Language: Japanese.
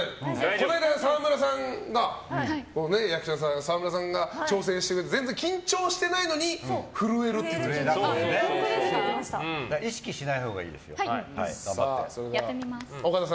この間、沢村さんが挑戦してくれて全然緊張してないのに意識しないほうがいいですよ。